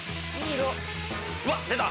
うわっ出た！